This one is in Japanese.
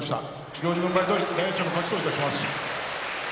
行司軍配どおり大栄翔の勝ちといたします。